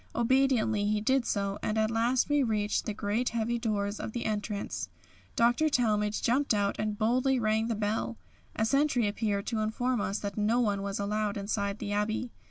Obediently he did so, and at last we reached the great heavy doors of the entrance. Dr. Talmage jumped out and boldly rang the bell. A sentry appeared to inform us that no one was allowed inside the Abbey.